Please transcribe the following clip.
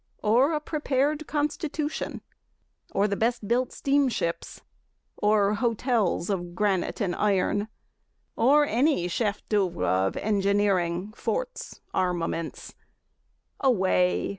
or a prepared constitution? or the best built steamships? Or hotels of granite and iron? or any chef d'oeuvres of engineering, forts, armaments? Away!